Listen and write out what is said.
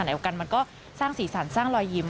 โอกาสมันก็สร้างสีสันสร้างรอยยิ้ม